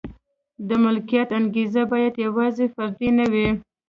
د ملکیت انګېزه باید یوازې فردي نه وي.